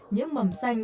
những mầm xanh